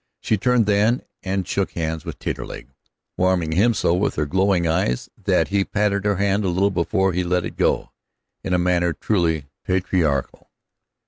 She turned then and shook hands with Taterleg, warming him so with her glowing eyes that he patted her hand a little before he let it go, in manner truly patriarchal.